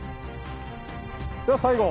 では最後！